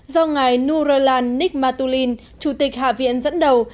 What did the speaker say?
do ngài nur royal nikmatullin chủ tịch hạ viện dẫn đầu